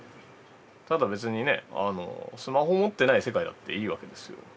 ただ別にねスマホ持ってない世界だっていいわけですよ。